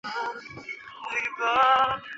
他以建设巩固万金天主堂及其教区为人所知。